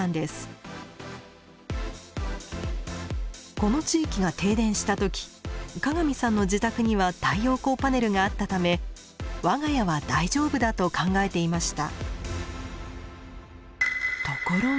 この地域が停電した時加賀見さんの自宅には太陽光パネルがあったため「我が家は大丈夫だ」と考えていました。